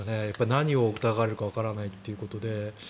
何を疑われるかわからないということで。